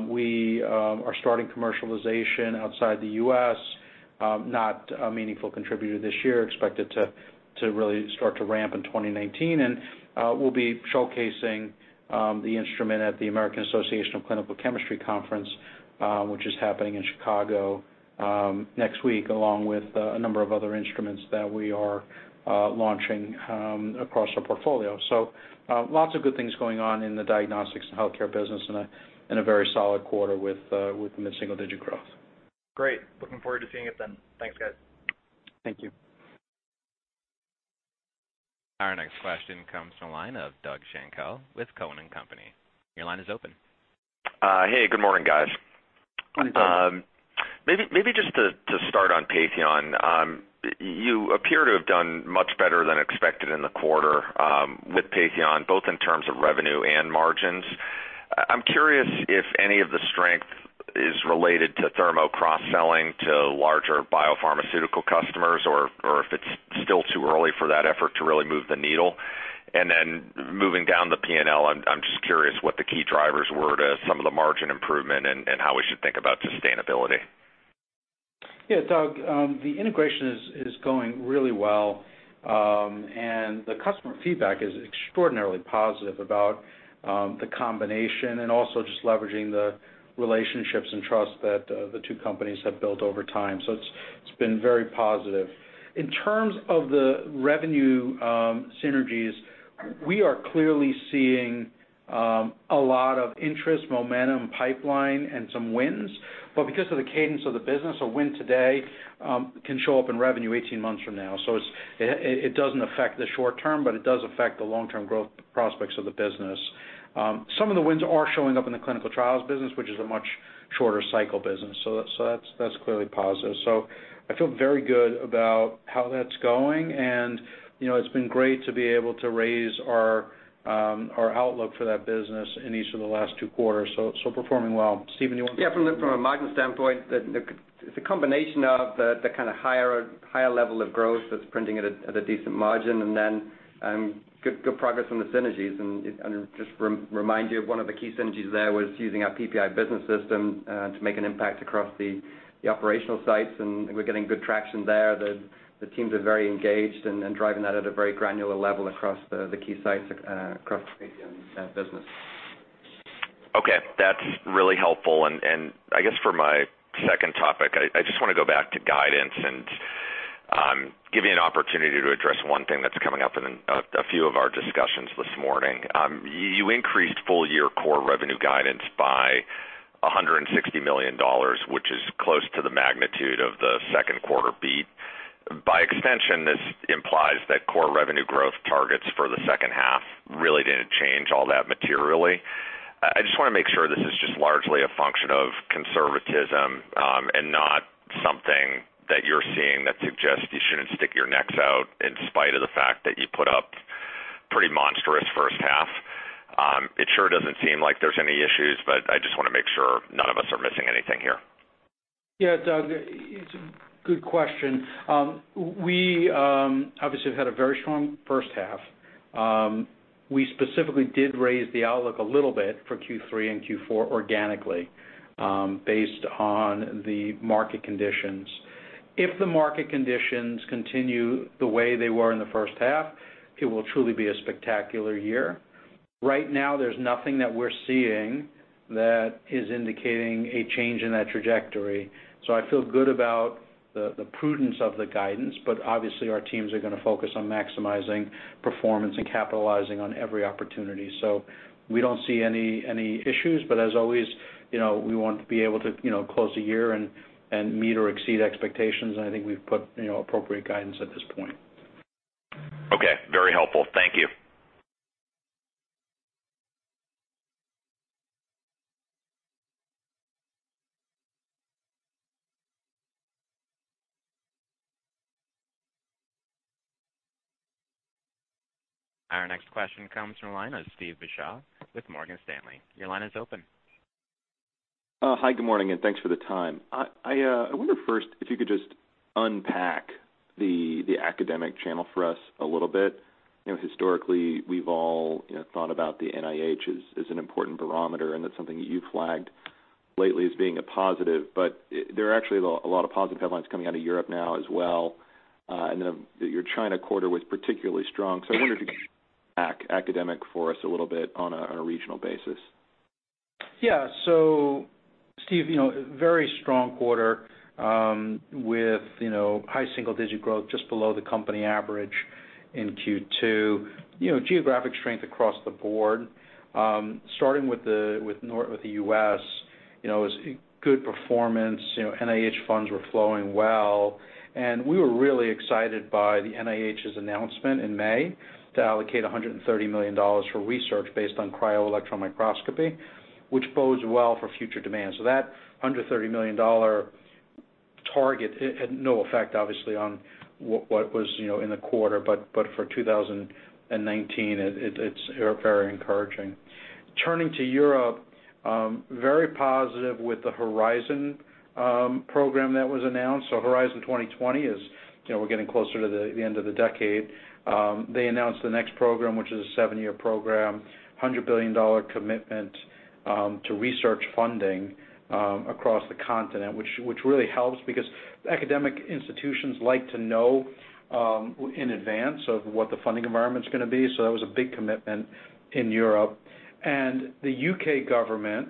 we are starting commercialization outside the U.S. Not a meaningful contributor this year, expect it to really start to ramp in 2019. We'll be showcasing the instrument at the American Association for Clinical Chemistry Conference, which is happening in Chicago next week, along with a number of other instruments that we are launching across our portfolio. Lots of good things going on in the diagnostics and healthcare business in a very solid quarter with mid-single-digit growth. Great. Looking forward to seeing it then. Thanks, guys. Thank you. Our next question comes from the line of Doug Schenkel with Cowen and Company. Your line is open. Hey, good morning, guys. Morning, Doug. Maybe just to start on Patheon. You appear to have done much better than expected in the quarter with Patheon, both in terms of revenue and margins. Then moving down the P&L, I'm just curious what the key drivers were to some of the margin improvement and how we should think about sustainability. Yeah, Doug, the integration is going really well. The customer feedback is extraordinarily positive about the combination and also just leveraging the relationships and trust that the two companies have built over time. It's been very positive. In terms of the revenue synergies, we are clearly seeing a lot of interest, momentum, pipeline, and some wins. Because of the cadence of the business, a win today can show up in revenue 18 months from now. It doesn't affect the short term, but it does affect the long-term growth prospects of the business. Some of the wins are showing up in the clinical trials business, which is a much shorter cycle business. That's clearly positive. I feel very good about how that's going, it's been great to be able to raise our outlook for that business in each of the last two quarters, performing well. Stephen, you want to- From a margin standpoint, it's a combination of the kind of higher level of growth that's printing at a decent margin and then good progress on the synergies. Just to remind you of one of the key synergies there was using our PPI business system to make an impact across the operational sites, and we're getting good traction there. The teams are very engaged and driving that at a very granular level across the key sites, across the Patheon business. That's really helpful. I guess for my second topic, I just want to go back to guidance and give you an opportunity to address one thing that's coming up in a few of our discussions this morning. You increased full-year core revenue guidance by $160 million, which is close to the magnitude of the second quarter beat. By extension, this implies that core revenue growth targets for the second half really didn't change all that materially. I just want to make sure this is just largely a function of conservatism, and not something that you're seeing that suggests you shouldn't stick your necks out in spite of the fact that you put up pretty monstrous first half. It sure doesn't seem like there's any issues, but I just want to make sure none of us are missing anything here. Doug, it's a good question. We obviously have had a very strong first half. We specifically did raise the outlook a little bit for Q3 and Q4 organically, based on the market conditions. If the market conditions continue the way they were in the first half, it will truly be a spectacular year. Right now, there's nothing that we're seeing that is indicating a change in that trajectory. I feel good about the prudence of the guidance, but obviously our teams are going to focus on maximizing performance and capitalizing on every opportunity. We don't see any issues, but as always, we want to be able to close a year and meet or exceed expectations, and I think we've put appropriate guidance at this point. Very helpful. Thank you. Our next question comes from the line of Steve Beuchaw with Morgan Stanley. Your line is open. Hi, good morning, and thanks for the time. I wonder first if you could just unpack the academic channel for us a little bit. Historically, we've all thought about the NIH as an important barometer, and that's something that you flagged lately as being a positive, but there are actually a lot of positive headlines coming out of Europe now as well. Your China quarter was particularly strong. I wonder if you could unpack academic for us a little bit on a regional basis. Yeah. Steve, very strong quarter with high single-digit growth just below the company average in Q2. Geographic strength across the board. Starting with the U.S., it was good performance. NIH funds were flowing well, and we were really excited by the NIH's announcement in May to allocate $130 million for research based on cryo-electron microscopy, which bodes well for future demand. That $130 million target had no effect, obviously, on what was in the quarter, but for 2019, it's very encouraging. Turning to Europe, very positive with the Horizon program that was announced. Horizon 2020, we're getting closer to the end of the decade. They announced the next program, which is a seven-year program, $100 billion commitment to research funding across the continent, which really helps because academic institutions like to know in advance of what the funding environment's going to be. That was a big commitment in Europe. The U.K. government,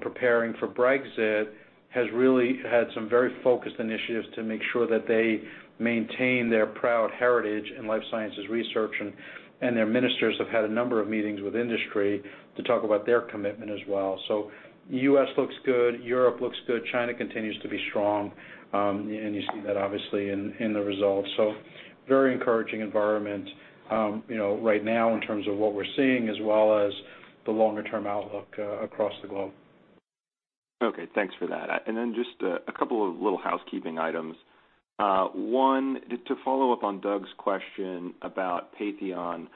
preparing for Brexit, has really had some very focused initiatives to make sure that they maintain their proud heritage in life sciences research, and their ministers have had a number of meetings with industry to talk about their commitment as well. U.S. looks good, Europe looks good. China continues to be strong, and you see that obviously in the results. Very encouraging environment right now in terms of what we're seeing, as well as the longer-term outlook across the globe. Thanks for that. Just a couple of little housekeeping items. One, to follow up on Doug's question about Patheon,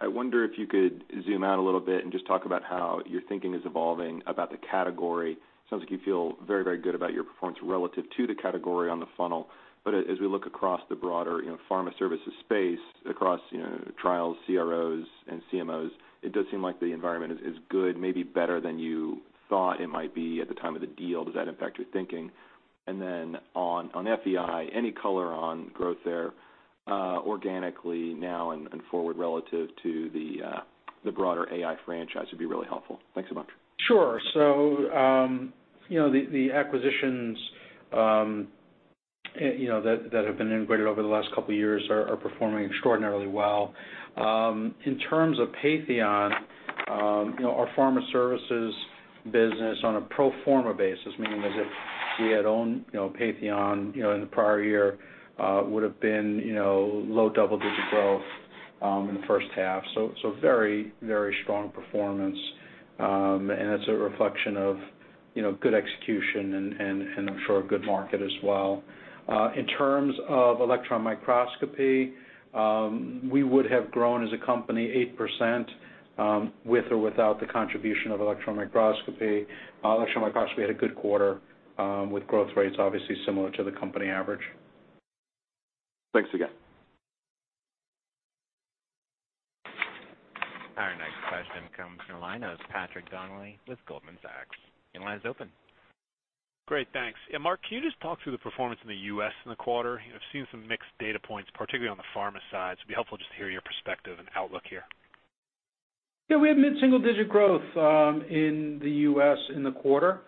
I wonder if you could zoom out a little bit and just talk about how your thinking is evolving about the category. It sounds like you feel very, very good about your performance relative to the category on the funnel. As we look across the broader pharma services space across trials, CROs, and CMOs, it does seem like the environment is good, maybe better than you thought it might be at the time of the deal. Does that affect your thinking? On FEI, any color on growth there, organically now and forward relative to the broader AI franchise would be really helpful. Thanks a bunch. Sure. The acquisitions that have been integrated over the last couple of years are performing extraordinarily well. In terms of Patheon, our pharma services business on a pro forma basis, meaning as if we had owned Patheon in the prior year, would've been low double-digit growth in the first half. Very strong performance, and it's a reflection of good execution and I'm sure a good market as well. In terms of electron microscopy, we would have grown as a company 8% with or without the contribution of electron microscopy. Electron microscopy had a good quarter, with growth rates obviously similar to the company average. Thanks again. Our next question comes from the line of Patrick Donnelly with Goldman Sachs. Your line is open. Great. Thanks. Marc, can you just talk through the performance in the U.S. in the quarter? I've seen some mixed data points, particularly on the pharma side. It'd be helpful just to hear your perspective and outlook here. Yeah. We had mid-single-digit growth in the U.S. in the quarter.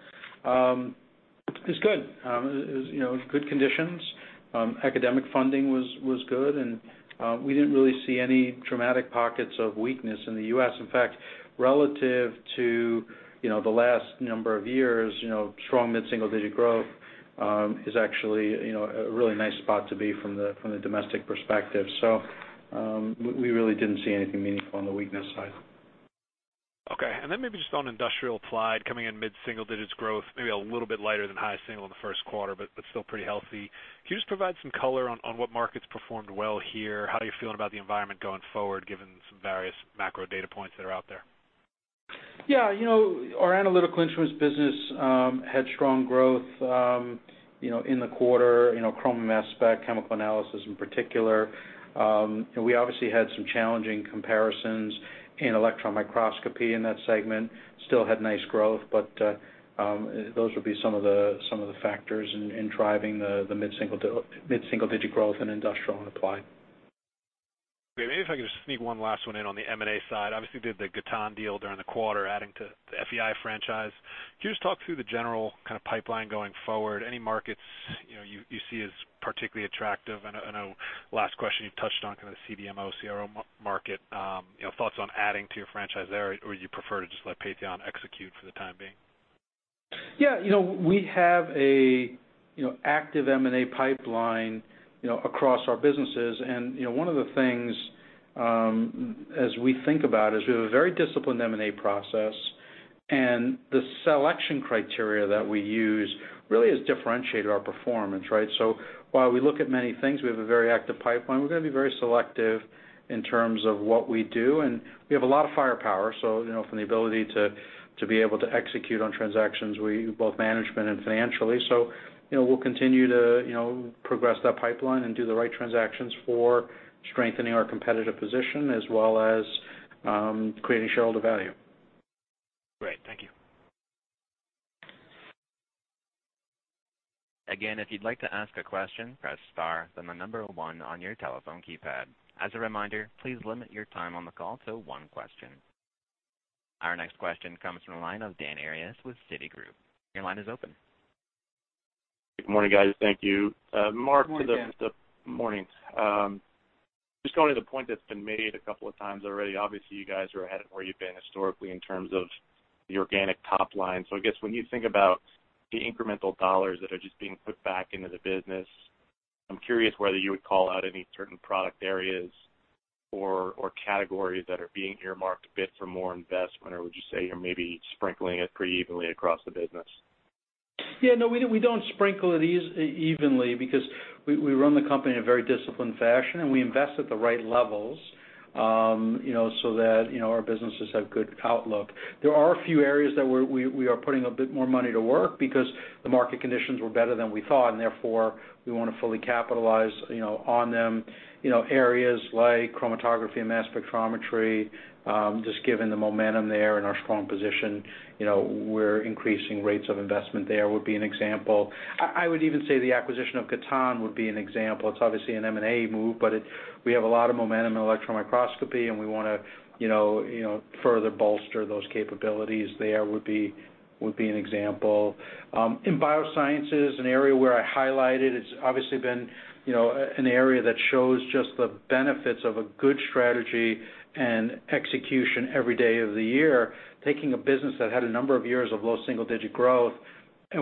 It's good. Good conditions. Academic funding was good. We didn't really see any dramatic pockets of weakness in the U.S. In fact, relative to the last number of years, strong mid-single-digit growth is actually a really nice spot to be from the domestic perspective. We really didn't see anything meaningful on the weakness side. Okay. Maybe just on Industrial and Applied, coming in mid-single-digit growth, maybe a little bit lighter than high single in the first quarter. Still pretty healthy. Can you just provide some color on what markets performed well here? How are you feeling about the environment going forward, given some various macro data points that are out there? Yeah. Our Analytical Instruments business had strong growth in the quarter, chrome mass spec, chemical analysis in particular. We obviously had some challenging comparisons in electron microscopy in that segment. Still had nice growth, but those would be some of the factors in driving the mid-single-digit growth in Industrial and Applied. Great. Maybe if I could just sneak one last one in on the M&A side. Obviously, did the Gatan deal during the quarter, adding to the FEI franchise. Could you just talk through the general kind of pipeline going forward? Any markets you see as particularly attractive? I know, last question, you touched on kind of the CDMO CRO market. Thoughts on adding to your franchise there, or you prefer to just let Patheon execute for the time being? Yeah. We have an active M&A pipeline across our businesses. One of the things as we think about is we have a very disciplined M&A process, and the selection criteria that we use really has differentiated our performance, right? While we look at many things, we have a very active pipeline, we're going to be very selective in terms of what we do, and we have a lot of firepower, from the ability to be able to execute on transactions, both management and financially. We'll continue to progress that pipeline and do the right transactions for strengthening our competitive position as well as creating shareholder value. Great. Thank you. Again, if you'd like to ask a question, press star, then the number one on your telephone keypad. As a reminder, please limit your time on the call to one question. Our next question comes from the line of Daniel Arias with Citigroup. Your line is open. Good morning, guys. Thank you. Good morning, Dan. Morning. Just going to the point that has been made a couple of times already, obviously, you guys are ahead of where you have been historically in terms of the organic top line. I guess when you think about the incremental dollars that are just being put back into the business, I am curious whether you would call out any certain product areas or categories that are being earmarked a bit for more investment, or would you say you are maybe sprinkling it pretty evenly across the business? Yeah, no, we do not sprinkle it evenly because we run the company in a very disciplined fashion, and we invest at the right levels, so that our businesses have good outlook. There are a few areas that we are putting a bit more money to work because the market conditions were better than we thought, and therefore, we want to fully capitalize on them. Areas like chromatography and mass spectrometry, just given the momentum there and our strong position, we are increasing rates of investment there, would be an example. I would even say the acquisition of Gatan would be an example. It is obviously an M&A move, but we have a lot of momentum in electron microscopy, and we want to further bolster those capabilities there, would be an example. In biosciences, an area where I highlighted, it's obviously been an area that shows just the benefits of a good strategy and execution every day of the year. Taking a business that had a number of years of low single-digit growth,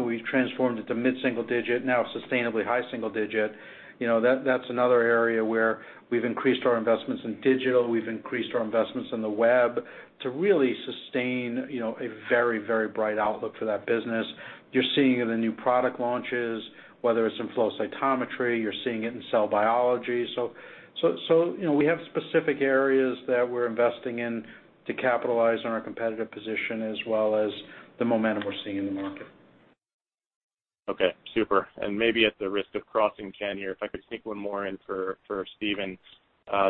we've transformed it to mid-single digit, now sustainably high single digit. That's another area where we've increased our investments in digital, we've increased our investments in the web to really sustain a very bright outlook for that business. You're seeing it in the new product launches, whether it's in flow cytometry, you're seeing it in cell biology. We have specific areas that we're investing in to capitalize on our competitive position as well as the momentum we're seeing in the market. Okay, super. Maybe at the risk of crossing Ken here, if I could sneak one more in for Stephen.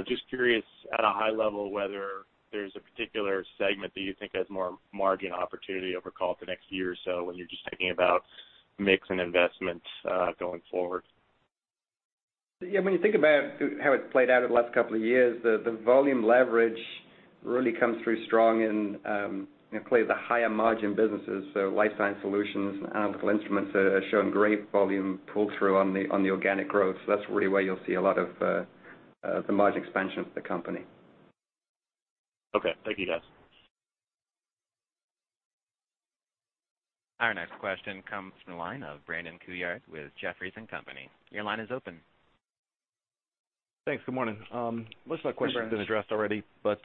Just curious, at a high level, whether there's a particular segment that you think has more margin opportunity over, call it the next year or so, when you're just thinking about mix and investment, going forward. Yeah, when you think about how it's played out in the last couple of years, the volume leverage really comes through strong in clearly the higher margin businesses. Life Sciences Solutions and Analytical Instruments are showing great volume pull-through on the organic growth. That's really where you'll see a lot of the margin expansion of the company. Okay. Thank you, guys. Our next question comes from the line of Brandon Couillard with Jefferies & Company. Your line is open. Thanks. Good morning. Hi, Brandon. Most of my question's been addressed already, but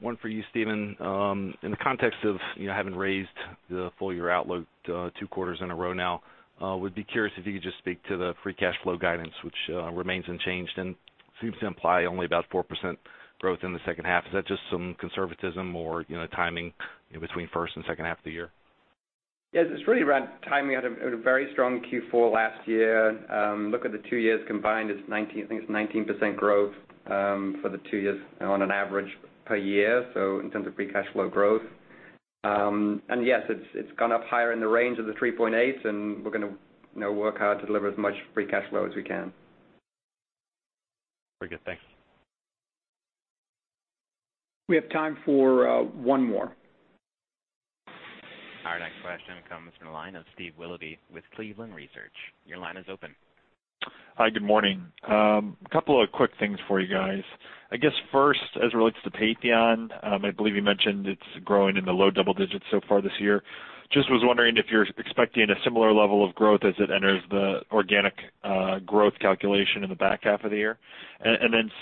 one for you, Stephen. In the context of having raised the full-year outlook two quarters in a row now, would be curious if you could just speak to the free cash flow guidance, which remains unchanged and seems to imply only about 4% growth in the second half. Is that just some conservatism or timing in between first and second half of the year? Yes, it's really around timing. We had a very strong Q4 last year. Look at the two years combined, I think it's 19% growth for the two years on an average per year, so in terms of free cash flow growth. Yes, it's gone up higher in the range of the 3.8, and we're going to work hard to deliver as much free cash flow as we can. Very good. Thanks. We have time for one more. Our next question comes from the line of Steve Willoughby with Cleveland Research. Your line is open. Hi, good morning. Couple of quick things for you guys. First, as it relates to Patheon, I believe you mentioned it's growing in the low double digits so far this year. Just was wondering if you're expecting a similar level of growth as it enters the organic growth calculation in the back half of the year.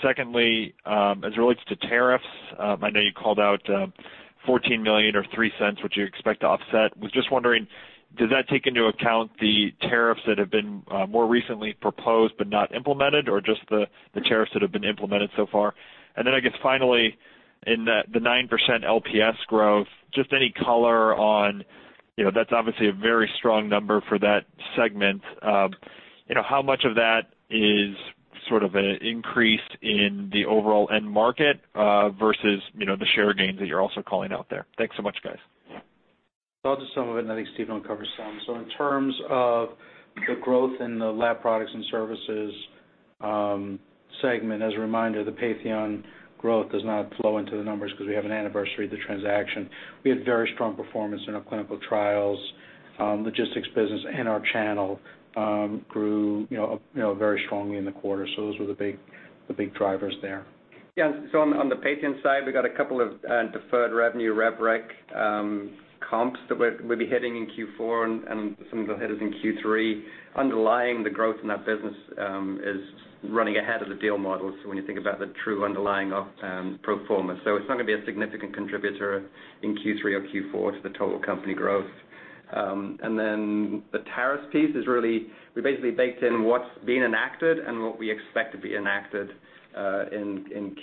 Secondly, as it relates to tariffs, I know you called out $14 million or $0.03, which you expect to offset. Was just wondering, does that take into account the tariffs that have been more recently proposed but not implemented, or just the tariffs that have been implemented so far? Finally, in the 9% LPS growth, any color on that's obviously a very strong number for that segment. How much of that is sort of an increase in the overall end market versus the share gains that you're also calling out there? Thanks so much, guys. I'll do some of it and I think Stephen will cover some. In terms of the growth in the Laboratory Products and Services segment, as a reminder, the Patheon growth does not flow into the numbers because we have an anniversary of the transaction. We had very strong performance in our clinical trials, logistics business, and our channel grew very strongly in the quarter. Those were the big drivers there. Yeah. On the Patheon side, we got a couple of deferred revenue rev rec comps that we'll be hitting in Q4 and some of them hit us in Q3. Underlying the growth in that business is running ahead of the deal model. When you think about the true underlying pro forma, it's not going to be a significant contributor in Q3 or Q4 to the total company growth. The tariffs piece is really, we basically baked in what's been enacted and what we expect to be enacted in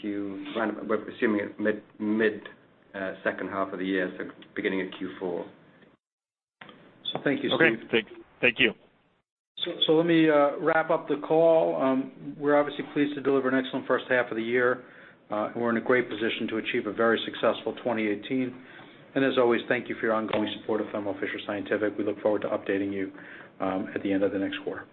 we're assuming mid-second half of the year, so beginning of Q4. Thank you, Steve. Okay. Thank you. Let me wrap up the call. We're obviously pleased to deliver an excellent first half of the year. We're in a great position to achieve a very successful 2018. As always, thank you for your ongoing support of Thermo Fisher Scientific. We look forward to updating you at the end of the next quarter.